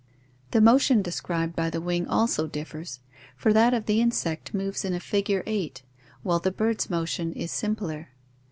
The motion described by the wing also differs, for that of the insect moves in a figure 8, while the bird's motion is simpler.